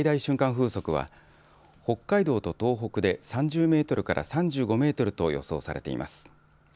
風速は北海道と東北で３０メートルから３５メートルと予想されています。